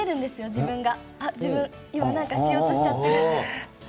自分が今何かしようとしちゃったって。